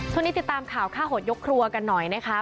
ติดตามข่าวฆ่าโหดยกครัวกันหน่อยนะคะ